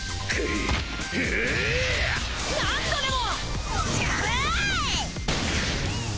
何度でも！